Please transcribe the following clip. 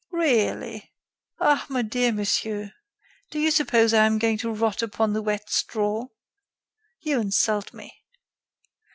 "Really!" "Ah! my dear monsieur, do you suppose I am going to rot upon the wet straw? You insult me.